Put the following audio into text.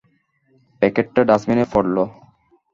প্যাকেটটা ডাষ্টবিনে পড়ল।